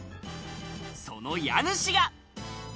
その家主が。